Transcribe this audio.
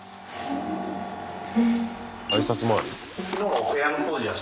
挨拶回り？